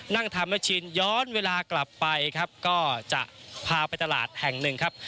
นั่งทำแม่ชินย้อนเวลากลับไปครับก็จะพาไปตลาดแห่งหนึ่งครับ